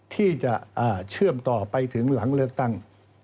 ที่จะเชื่อมต่อไปถึงหลังเลือกตั้ง